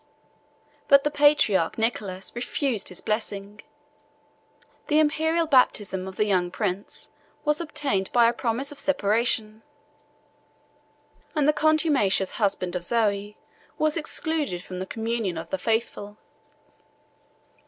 But the patriarch Nicholas refused his blessing: the Imperial baptism of the young prince was obtained by a promise of separation; and the contumacious husband of Zoe was excluded from the communion of the faithful.